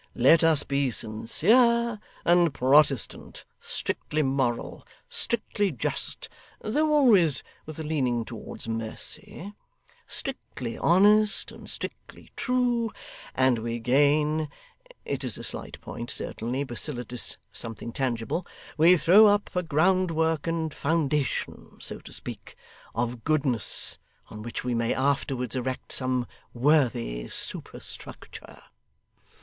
Let us be sincere and Protestant, strictly moral, strictly just (though always with a leaning towards mercy), strictly honest, and strictly true, and we gain it is a slight point, certainly, but still it is something tangible; we throw up a groundwork and foundation, so to speak, of goodness, on which we may afterwards erect some worthy superstructure.